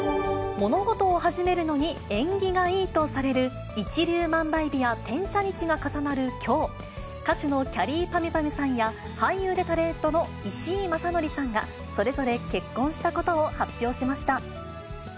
物事を始めるのに縁起がいいとされる一粒万倍日や天赦日が重なるきょう、歌手のきゃりーぱみゅぱみゅさんや俳優でタレントの石井正則さんが、それぞれ結婚したことを発表しました。